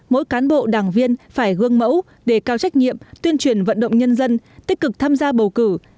mỗi cán bộ đảng viên phải gương mẫu để cao trách nhiệm tuyên truyền vận động nhân dân tích cực tham gia bầu cử